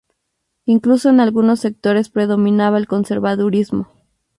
Incluso en algunos sectores predominaba el conservadurismo.